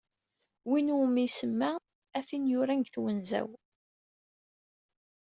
Win iwumi isemma: «A tin iyi-yuran deg twenza-w."